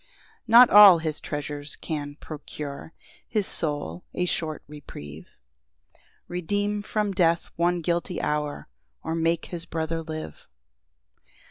] 3 Not all his treasures can procure His soul a short reprieve, Redeem from death one guilty hour, Or make his brother live.